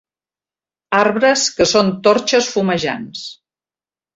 Arbres que són torxes fumejants.